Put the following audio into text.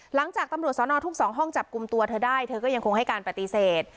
หลังจากตำรวจสนทุก๒ห้องจับกลุ่มตัวเธอได้เธอก็ยังคงให้การปฏิเสธ